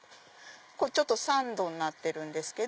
ちょっとサンドになってるんですけど。